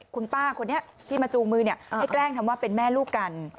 คุณป้าคนนี้ที่มาจูงมือให้แกล้งทำว่าเป็นแม่ลูกกัน